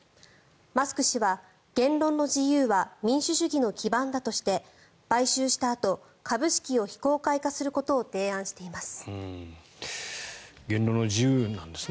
マスク氏は、言論の自由は民主主義の基盤だとして買収したあと株式を非公開化することを提案しています。